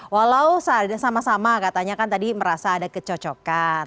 walau sama sama katanya kan tadi merasa ada kecocokan